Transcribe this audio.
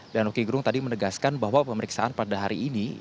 dan roky gerung tadi menegaskan bahwa pemeriksaan pada hari ini